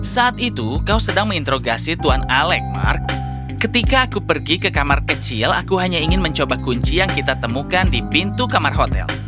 saat itu kau sedang menginterogasi tuan alex mark ketika aku pergi ke kamar kecil aku hanya ingin mencoba kunci yang kita temukan di pintu kamar hotel